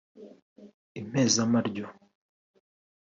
impezamaryo